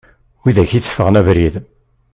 Widak i teffɣen abrid.